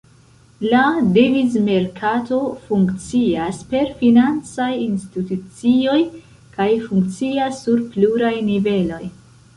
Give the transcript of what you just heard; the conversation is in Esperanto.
La devizmerkato funkcias per financaj institucioj kaj funkcias sur pluraj niveloj.